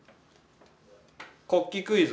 国旗クイズ。